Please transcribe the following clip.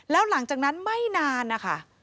แล้วหลังจากนั้นไม่นานนะคะ